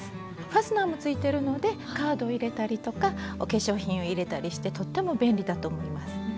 ファスナーもついてるのでカードを入れたりとかお化粧品を入れたりしてとっても便利だと思います。